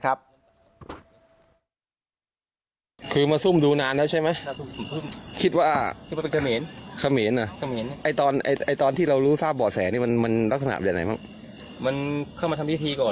ไอ้ตอนที่เรารู้ทราบบ่อแสนี่มันมันลักษณะเป็นไหนมั้งมันเข้ามาทำที่ทีก่อน